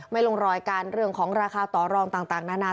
ลงรอยการเรื่องของราคาต่อรองต่างนานา